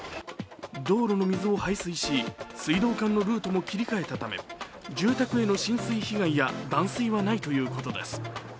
道路の水を排水し、水道管のルートも切り替えたため、住宅への浸水被害や断水はないということです。